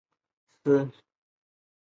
他人可称总督为督宪阁下。